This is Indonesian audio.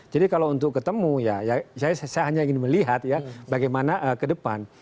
jadi kalau untuk ketemu ya saya hanya ingin melihat ya bagaimana ke depan